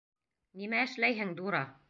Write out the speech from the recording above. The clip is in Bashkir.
Нимә эшләйһең, дура!